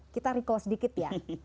kita recall sedikit ya